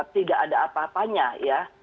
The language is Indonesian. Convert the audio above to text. tidak ada apa apanya ya